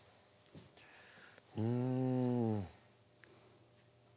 うん。